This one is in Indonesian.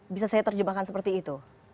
bisa saya terjemahkan seperti itu